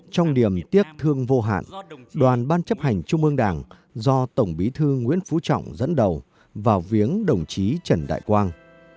trong điểm tiếc thương vô hạn đoàn ban chấp hành trung ương đảng do tổng bí thư nguyễn phú trọng dẫn đầu vào viếng đồng chí trần đại quang